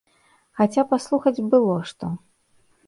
Хаця паслухаць было што.